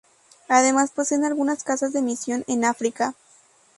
Además poseen algunas casas de misión en África.